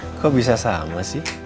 hah kok bisa sama sih